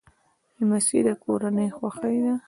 لمسی د کورنۍ خوښي ده.